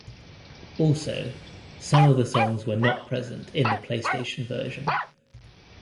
Also, some of the songs were not present in the PlayStation version.